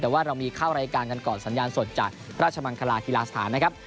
แต่ว่าเรามีเข้ารายการกันก่อนสัญญาณสดจากราชมังคลากีฬาสถานนะครับ